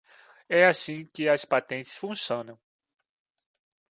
É assim que as patentes funcionam.